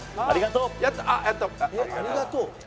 “ありがとう”？」